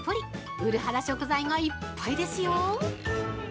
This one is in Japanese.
うる肌食材がいっぱいですよ。